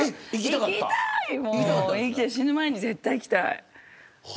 死ぬ前に絶対行きたい。